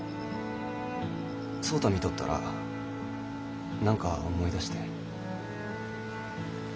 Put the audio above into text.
蒼太見とったらなんか思い出して。